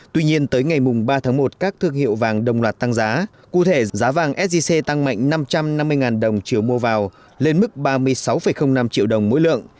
tuy nhiên tới ngày ba tháng một các thương hiệu vàng đồng loạt tăng giá cụ thể giá vàng sgc tăng mạnh năm trăm năm mươi đồng chiều mua vào lên mức ba mươi sáu năm triệu đồng mỗi lượng